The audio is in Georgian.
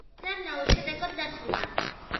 ძებნა უშედეგოდ დასრულდა.